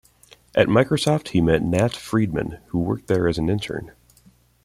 At Microsoft he met Nat Friedman, who worked there as an intern.